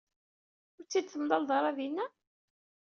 Ur tt-id-temlaleḍ ara dinna?